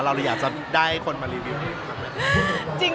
เราเลยอยากจะได้คนมารีวิวดีกว่าไหม